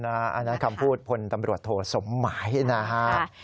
อันนั้นคำพูดพลตำรวจโทสมหมายนะครับ